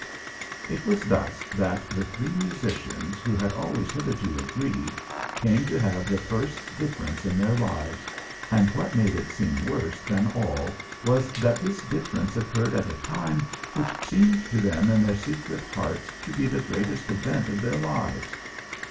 It was thus that the three musicians, who had always hitherto agreed, came to have the first difference of their lives, and what made it seem worse than all was that this difference occurred at a time which seemed to them in their secret hearts to be the greatest event of their lives.